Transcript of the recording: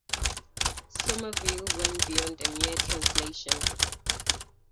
Somerville went beyond a mere translation.